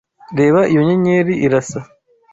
Reba iyo nyenyeri irasa